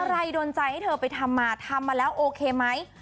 ใครโดนใจให้เธอไปทำมาทำมาแล้วโอเคไหม